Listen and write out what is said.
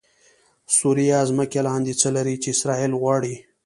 سوریه ځمکې لاندې څه لري چې اسرایل غواړي؟😱